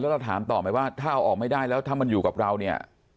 แล้วเราถามต่อไหมว่าถ้าเอาออกไม่ได้แล้วถ้ามันอยู่กับเราเนี่ย